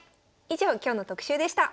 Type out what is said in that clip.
以上今日の特集でした。